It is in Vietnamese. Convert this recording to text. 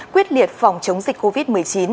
quyết liệt phòng chống dịch covid một mươi chín